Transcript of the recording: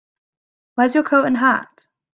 Where's your coat and hat?